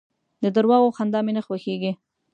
د درواغو خندا مي نه خوښېږي .